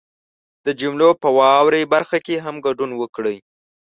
د جملو په واورئ برخه کې هم ګډون وکړئ